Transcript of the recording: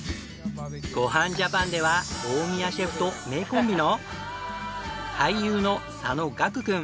『ごはんジャパン』では大宮シェフと名コンビの俳優の佐野岳くん。